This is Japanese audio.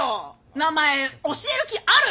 名前教える気ある？